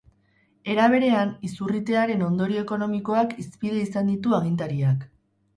Era berean, izurritearen ondorio ekonomikoak hizpide izan ditu agintariak.